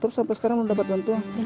terus sampai sekarang kamu dapatkan bantuan